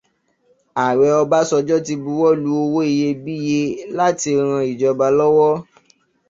Ààrẹ Ọbásanjọ́ ti buwọ́lu owó iyebíye láti ran ìjọba lọ́wọ́